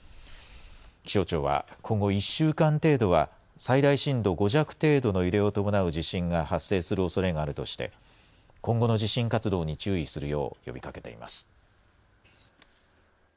気象庁は今後１週間程度は、最大震度５弱程度の揺れを伴う地震が発生するおそれがあるとして、今後の地震活動に注意するよう呼びかけています。